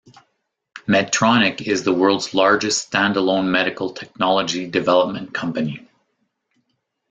Medtronic is the world's largest standalone medical technology development company.